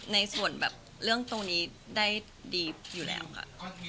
ในส่วนแบบเรื่องตรงนี้ได้ดีอยู่แล้วค่ะ